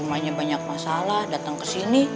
rumahnya banyak masalah dateng kesini